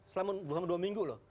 selama dua minggu loh